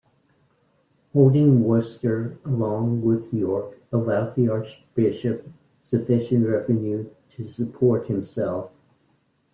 Holding Worcester along with York allowed the archbishop sufficient revenue to support himself.